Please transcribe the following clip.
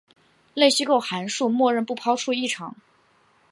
类析构函数默认不抛出异常。